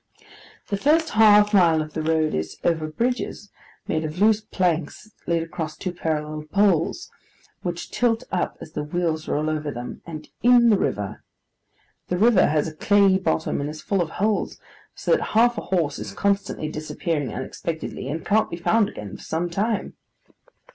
The first half mile of the road is over bridges made of loose planks laid across two parallel poles, which tilt up as the wheels roll over them; and IN the river. The river has a clayey bottom and is full of holes, so that half a horse is constantly disappearing unexpectedly, and can't be found again for some time.